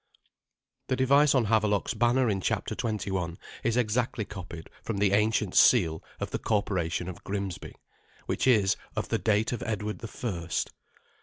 The device on Havelok's banner in chapter xxi. is exactly copied from the ancient seal of the Corporation of Grimsby, which is of the date of Edward the First.